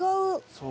そう。